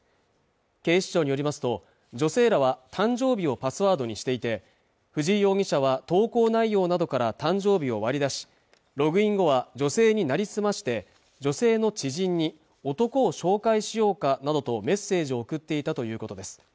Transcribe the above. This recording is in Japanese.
警視庁によりますと女性らは誕生日をパスワードにしていて藤井容疑者は投稿内容などから誕生日を割り出しログイン後は女性に成り済まして女性の知人に男を紹介しようかなどとメッセージを送っていたということです